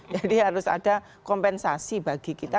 harus ada kompensasi bagi kita